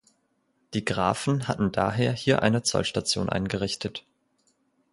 Die Grafen hatten daher hier eine Zollstation eingerichtet.